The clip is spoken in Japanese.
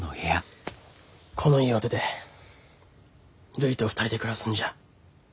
この家を出てるいと２人で暮らすんじゃ。